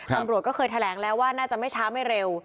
ตำรวจก็เคยแถลงแล้วว่าน่าจะไม่ช้าไม่เร็ว